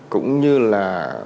cũng như là